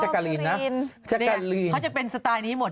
เขาจะเป็นสไตล์นี้หมด